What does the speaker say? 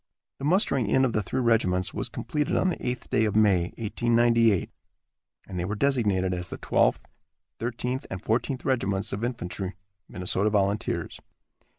The mustering in of the three regiments was completed on the eighth day of May, 1898, and they were designated as the Twelfth, Thirteenth and Fourteenth Regiments of Infantry, Minnesota Volunteers.